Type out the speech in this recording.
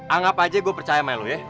anggap aja gue percaya sama lo ya